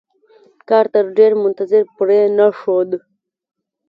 کارتر ډېر منتظر پرې نښود.